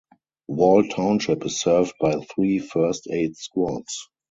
Wall Township is served by three first aid squads.